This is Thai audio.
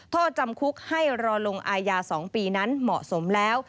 โทษจำคุกให้รอลงอายา๒ปีนั้นเหมาะสมแล้ว